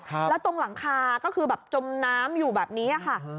แล้วตรงหลังคาก็คือแบบจมน้ำอยู่แบบนี้ค่ะ